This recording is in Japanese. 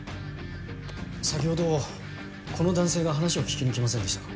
先ほどこの男性が話を聞きに来ませんでしたか？